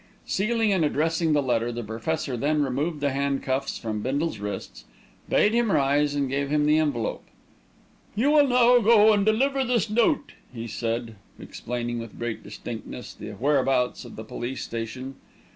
Sealing and addressing the letter, the Professor then removed the handcuffs from Bindle's wrists, bade him rise, and gave him the envelope. "You will now go and deliver this note," he said, explaining with great distinctness the whereabouts of the police station.